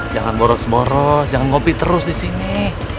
jangan boros boros jangan ngopi terus di sini